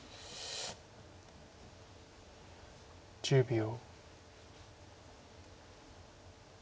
１０秒。